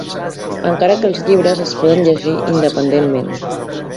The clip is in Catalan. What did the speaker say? Encara que els llibres es poden llegir independentment.